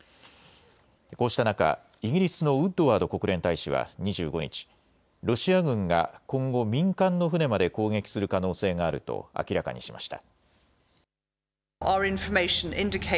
こうした中、イギリスのウッドワード国連大使は２５日、ロシア軍が今後、民間の船まで攻撃する可能性があると明らかにしました。